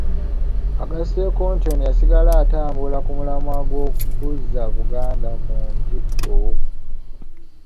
Ageseko nti ono yasigala ng'atambulira ku mulamwa ogw'okuzza Buganda ku ntikko.